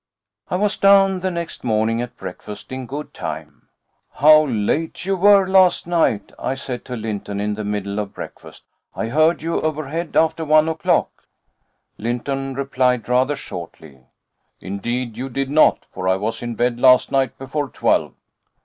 I was down the next morning at breakfast in good time. "How late you were last night!" I said to Lynton, in the middle of breakfast. "I heard you overhead after one o'clock." Lynton replied rather shortly, "Indeed you did not, for I was in bed last night before twelve."